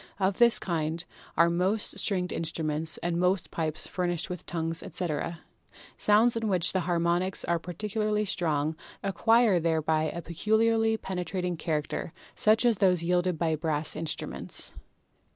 Of this kind are most stringed instruments and most pipes furnished with tongues, etc. Sounds in which the har monics are particularly strong acquire thereby a peculiarly penetrating character, such as those yielded by brass in struments.